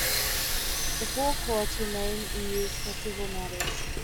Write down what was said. The Four Courts remain in use for civil matters.